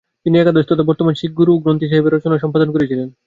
তিনি একাদশ তথা বর্তমান শিখ গুরু গুরু গ্রন্থসাহিবের রচনা সম্পাদনা করেছিলেন।